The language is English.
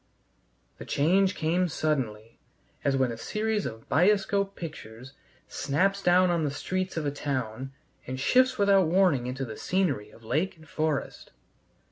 The change came suddenly, as when a series of bioscope pictures snaps down on the streets of a town and shifts without warning into the scenery of lake and forest.